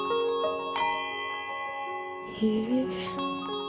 へえ。